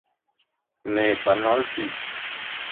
Ne, ¡panolti!